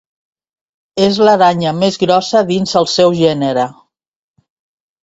És l'aranya més grossa dins el seu gènere.